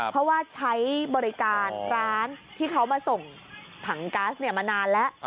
เพราะว่าใช้บริการร้านที่เขามาส่งถังก๊าซมานานแล้ว